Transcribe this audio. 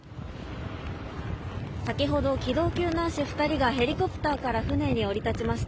先ほど機動救難士二人がヘリコプターから船に降り立ちました